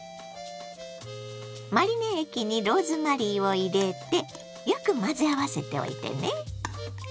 マリネ液にローズマリーを入れてよく混ぜ合わせておいてね。